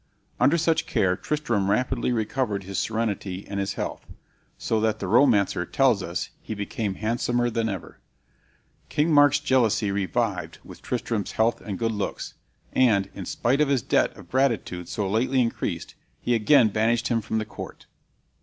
Under such care Tristram rapidly recovered his serenity and his health, so that the romancer tells us he became handsomer than ever. King Mark's jealousy revived with Tristram's health and good looks, and, in spite of his debt of gratitude so lately increased, he again banished him from the court.